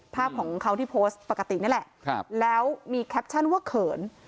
ภาพของเขาที่โพสต์ปกตินี่แหละแล้วมีแคปชั่นว่าเขิน